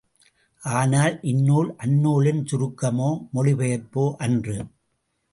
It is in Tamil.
ஆனால் இந்நூல் அந்நூலின் சுருக்கமோ, மொழிபெயர்ப்போ அன்று.